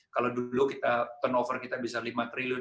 kalau dulu kita turnover kita bisa lima triliun